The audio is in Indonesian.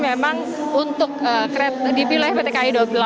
memang untuk kereta di wilayah pt eka i dua puluh delapan